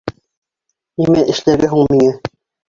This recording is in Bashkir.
Нимә эшләргә һуң миңә?